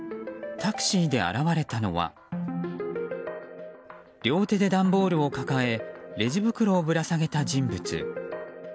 タクシーで現れたのは両手で段ボールを抱えレジ袋をぶら下げた人物。